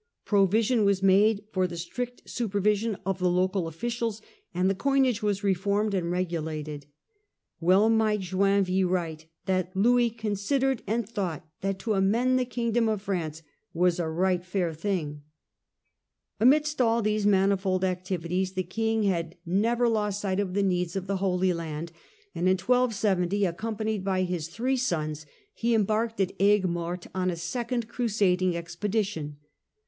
Provision was made for the strict supervision of the local officials, and the coinage was reformed and regulated. Well might Join ville write that Louis "considered and thought that to amend the kingdom of France was a right fair thing." Amidst all these manifold activities the king had never 202 THE CENTRAL PERIOD OF THE MIDDLE AGE Second lost Sight of the needs of the Holy Land, and in 1270, and death accompanied by his three sons, he embarked at Aigues ix.,T270 Mortes on a second crusading expedition.